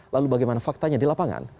lalu bagaimana faktanya di lapangan